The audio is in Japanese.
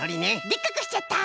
でっかくしちゃった！